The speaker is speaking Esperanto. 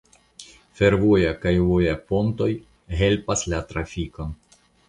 Fervoja kaj voja pontoj helpas la trafikon.